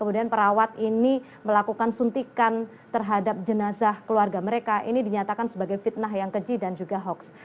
dan perawat ini melakukan suntikan terhadap jenazah keluarga mereka ini dinyatakan sebagai fitnah yang keji dan juga hoax